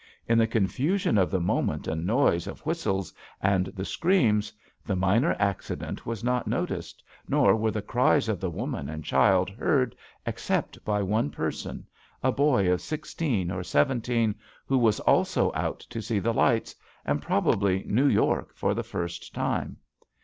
In the confusion of the moment and noise of whistles and the screams, the minor accident was not noticed nor were the cries of the woman and child heard except by one person, a boy of sixteen or seventeen, who was also out to see the lights, and probably New York for the first time.